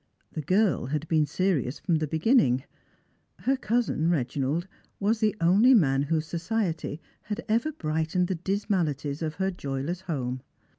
The girl had been serious from the beginning. Her cousin, Eeginald, was the only man whose society had ever brightened the dismalities of her joyless home.